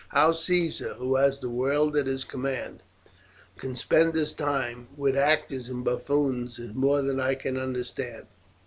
How Caesar, who has the world at his command, can spend his time with actors and buffoons, is more than I can understand.